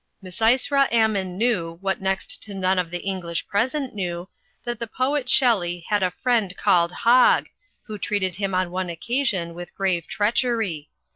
Misysra Ammon knew, what next to none of the English present knew, that the poet Shelley had a friend called Hogg, who treated him on one occasion with grave treachery.